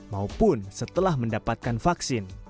maupun setelah mendapatkan vaksin